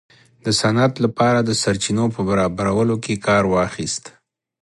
د صنعت لپاره د سرچینو په برابرولو کې کار واخیست.